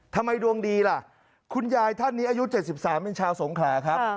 ดวงดีล่ะคุณยายท่านนี้อายุ๗๓เป็นชาวสงขลาครับ